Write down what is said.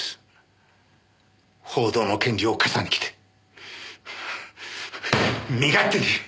報道の権利を笠に着て身勝手に！